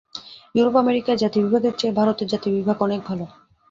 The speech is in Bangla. ইউরোপ-আমেরিকার জাতিবিভাগের চেয়ে ভারতের জাতিবিভাগ অনেক ভাল।